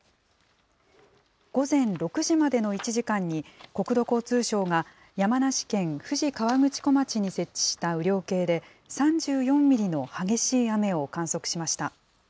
午前６時までの１時間に、国土交通省が山梨県富士河口湖町に設置した雨量計で、３４ミリの激しい雨を観測しました。